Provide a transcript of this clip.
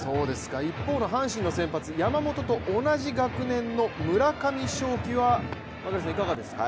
一方の阪神の先発、山本と同じ学年の村上頌樹はいかがですか？